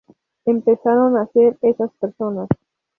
Empezaron a ser esas personas.